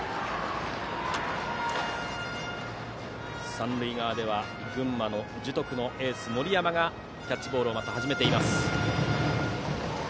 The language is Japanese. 三塁側では群馬の樹徳のエース、亀井がキャッチボールを始めています。